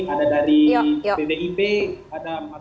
ada dari pbip ada mas astro dan dari volker juga ada bang amato